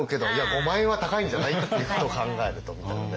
５万円は高いんじゃない？っていうことを考えるとみたいなね。